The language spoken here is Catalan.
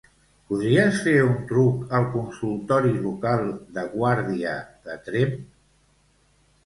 Podries fer un truc al consultori local de guàrdia de Tremp.